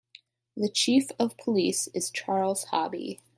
The Chief of Police is Charles Hobby.